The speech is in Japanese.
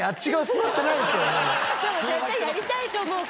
でも絶対やりたいと思うから。